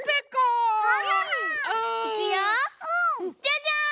じゃじゃん！